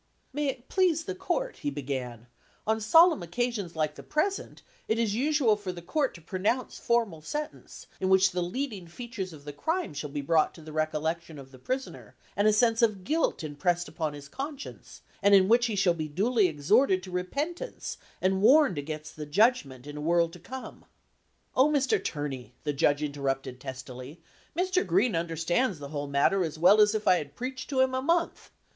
"May it please the court," he began, "on sol emn occasions like the present it is usual for the Court to pronounce formal sentence, in which the leading features of the crime shall be brought to the recollection of the prisoner, and a sense of 66 PRIMITIVE ILLINOIS COURTS guilt impressed upon his conscience, and in which he shall be duly exhorted to repentance and warned against the judgment in a world to come." "Oh, Mr. Turney," the judge interrupted tes tily, "Mr. Green understands the whole matter as well as if I had preached to him a month.